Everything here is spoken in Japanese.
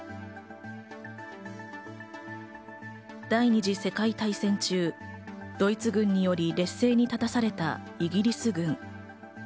第２次世界大戦中、ドイツ軍により劣勢に立たされたイギリス軍。